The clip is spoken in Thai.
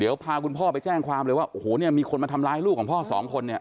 เดี๋ยวพาคุณพ่อไปแจ้งความเลยว่าโอ้โหเนี่ยมีคนมาทำร้ายลูกของพ่อสองคนเนี่ย